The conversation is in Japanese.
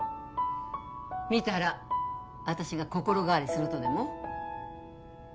見たら私が心変わりするとでも？